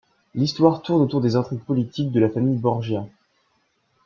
L'histoire tourne autour des intrigues politiques de la famille Borgia.